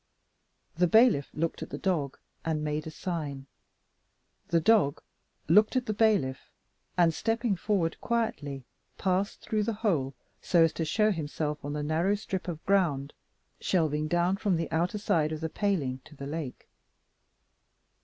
The bailiff looked at the dog, and made a sign. The dog looked at the bailiff; and, stepping forward quietly, passed through the hole, so as to show himself on the narrow strip of ground shelving down from the outer side of the paling to the lake.